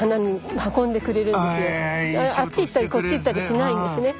あっち行ったりこっち行ったりしないんですね。